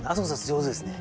上手ですね。